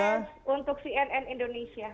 sukses untuk cnn indonesia